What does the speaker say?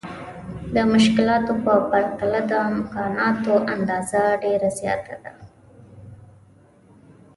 د مشکلاتو په پرتله د امکاناتو اندازه ډېره زياته ده.